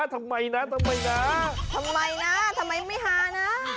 ทำไมนะทำไมไม่หานะ